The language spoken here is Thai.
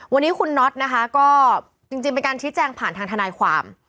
วันนี้คุณน็อตนะคะก็จริงเป็นการชี้แจงผ่านทางทนายความ